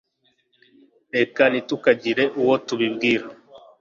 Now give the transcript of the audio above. reka ntitukagire uwo tubibwira